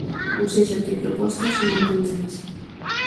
Ou sexa, que propostas, un montón delas.